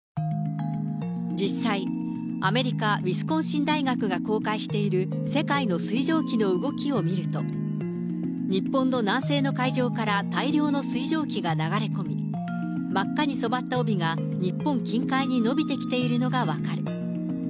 実際、アメリカ・ウィスコンシン大学が公開している世界の水蒸気の動きを見ると、日本の南西の海上から大量の水蒸気が流れ込み、真っ赤に染まった帯が日本近海に延びてきているのが分かる。